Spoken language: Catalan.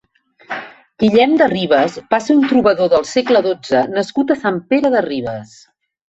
Guillem de Ribes va ser un trobador del segle dotze nascut a Sant Pere de Ribes.